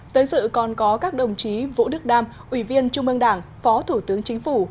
tới dự còn có các đồng chí vũ đức đam ủy viên trung ương đảng phó thủ tướng chính phủ